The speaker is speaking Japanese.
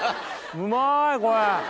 うまいこれ！